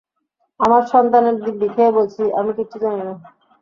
আমার সন্তানের দিব্যি খেয়ে বলছি, আমি কিচ্ছু জানি না।